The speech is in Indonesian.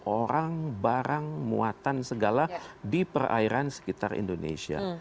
orang barang muatan segala di perairan sekitar indonesia